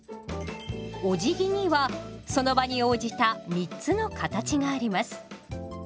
おじぎにはその場に応じた３つの形があります。